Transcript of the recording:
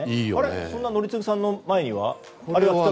そんな宜嗣さんの前には。